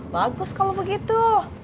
bagus kalau begitu